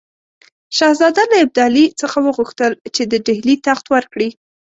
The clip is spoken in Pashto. شهزاده له ابدالي څخه وغوښتل چې د ډهلي تخت ورکړي.